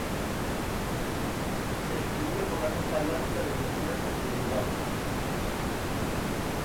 Se distribuye por la costa atlántica desde Honduras hasta Uruguay.